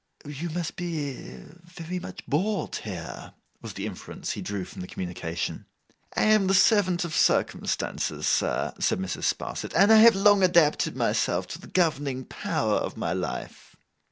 'You must be very much bored here?' was the inference he drew from the communication. 'I am the servant of circumstances, sir,' said Mrs. Sparsit, 'and I have long adapted myself to the governing power of my life.